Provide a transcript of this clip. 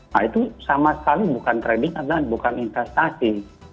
nah itu sama sekali bukan trading adalah bukan investasi